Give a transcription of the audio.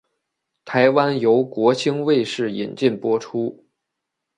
台湾由国兴卫视引进播出。